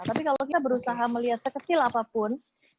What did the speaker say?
tapi kalau kita berusaha melihat sekecil apapun